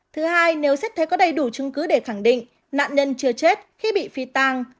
thứ hai nếu xét thấy có đầy đủ chứng cứ để khẳng định nạn nhân chưa chết khi bị phi tăng